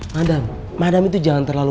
madam padam itu jangan terlalu